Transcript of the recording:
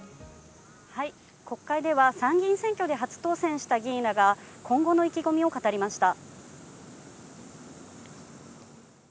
国会では参議院選挙で初当選した議員らが今後の意気込みを語りました。